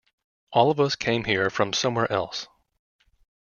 All of us came here from somewhere else.